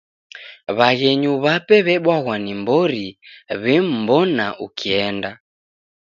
W'aghenyu w'ape w'ebwaghwa ni mbori w'imbona ukienda.